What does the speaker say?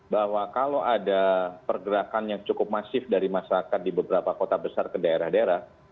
bahwa kalau ada pergerakan yang cukup masif dari masyarakat di beberapa kota besar ke daerah daerah